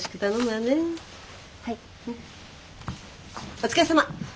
お疲れさま。